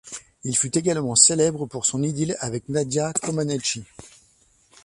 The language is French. Il fut également célèbre pour son idylle avec Nadia Comăneci.